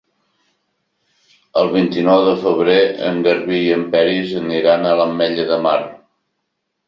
El vint-i-nou de febrer en Garbí i en Peris aniran a l'Ametlla de Mar.